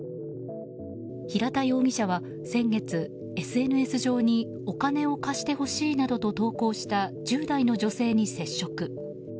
平田容疑者は先月、ＳＮＳ上にお金を貸してほしいなどと投稿した１０代の女性に接触。